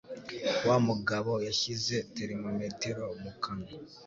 Wa mugabo yashyize termometero mu kanwa.